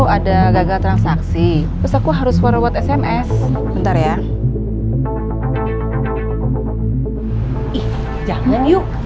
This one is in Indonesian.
ada apa sih yuk